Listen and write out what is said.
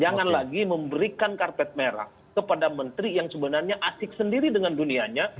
jangan lagi memberikan karpet merah kepada menteri yang sebenarnya asik sendiri dengan dunianya